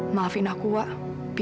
maafin aku uak bi